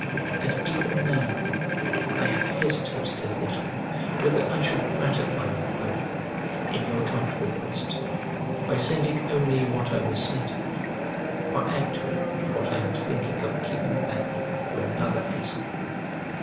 And even now I have hesitated a little whether I should gratify you both, in your joint request, by sending only what I recited, or add to it what I am thinking of keeping back for another essay.